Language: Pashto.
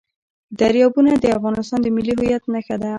دریابونه د افغانستان د ملي هویت نښه ده.